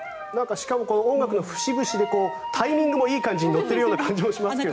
しかも音楽の節々でタイミングもいい感じで乗っている感じがしますね。